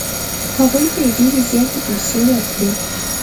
هغوی ته یې ډېرې زیاتې پیسې ورکړې وې.